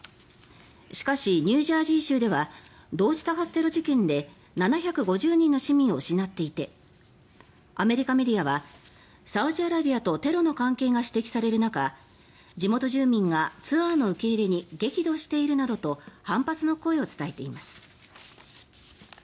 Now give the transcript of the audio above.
しかし、ニュージャージー州では同時多発テロ事件で７５０人の市民を失っていてアメリカメディアはサウジアラビアとテロの関係が指摘される中地元住民がツアーの受け入れに激怒しているなどと反発の声を伝えています。